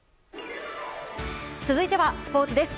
続いてはスポーツです。